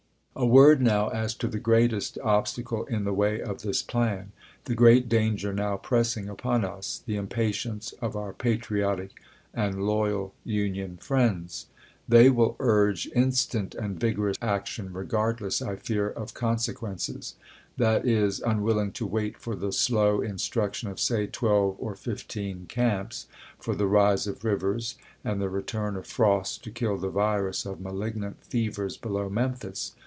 A word now as to the greatest obstacle in the way of this plan — the great danger now pressing upon us — the impatience of our patriotic and loyal Union friends. SCOTT'S ANACONDA 303 They will urge instant and vigorous action, regardless, I fear, of consequences — that is, unwilling to wait for the slow instruction of (say) twelve or fifteen camps, for the rise of rivers, and the return of frosts to kill the virus of malignant fevers below Memphis.